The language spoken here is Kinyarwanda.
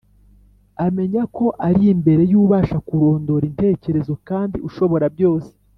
. Amenya ko ari imbere y’ubasha kurondora intekerezo, kandi ushobora byose